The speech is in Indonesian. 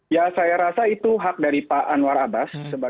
ya saya rasa itu hak dari pak anwar abbas